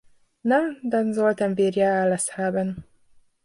Na, dann sollten wir ja alles haben.